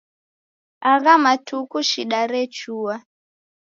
Agha matuku shida rechua.